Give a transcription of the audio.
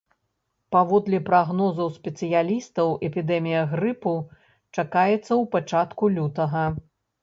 Паводле прагнозаў спецыялістаў, эпідэмія грыпу чакаецца ў пачатку лютага.